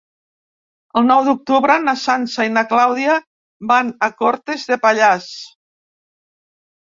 El nou d'octubre na Sança i na Clàudia van a Cortes de Pallars.